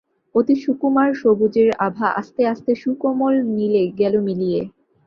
অতি সুকুমার সবুজের আভা আস্তে আস্তে সুকোমল নীলে গেল মিলিয়ে।